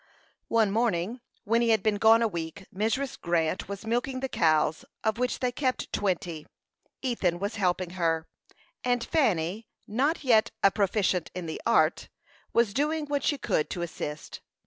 One morning, when he had been gone a week, Mrs. Grant was milking the cows, of which they kept twenty. Ethan was helping her, and Fanny, not yet a proficient in the art, was doing what she could to assist.